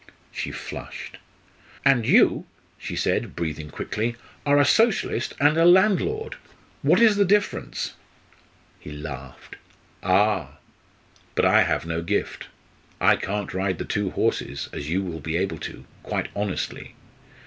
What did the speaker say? She flushed. "And you," she said, breathing quickly, "are a Socialist and a landlord. What is the difference?" He laughed. "Ah! but I have no gift I can't ride the two horses, as you will be able to quite honestly.